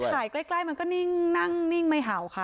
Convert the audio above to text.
ถ่ายใกล้มันก็นิ่งนั่งนิ่งไม่เห่าค่ะ